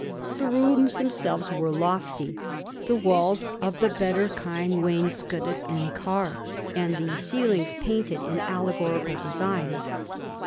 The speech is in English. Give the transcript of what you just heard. The rooms themselves were lofty ; the walls of the better kind wainscoted and carved, and the ceilings painted in allegorical designs.